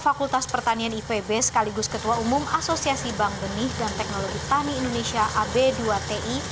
fakultas pertanian ipb sekaligus ketua umum asosiasi bank benih dan teknologi tani indonesia ab dua ti